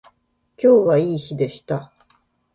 今日はいい日でした